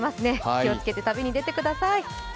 気をつけて旅に出てください。